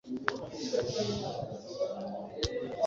atari amategeko y’Imana gusa ahubwo n’amategeko yashyizweho n’abantu.